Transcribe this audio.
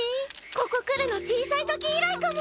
ここ来るの小さいとき以来かも。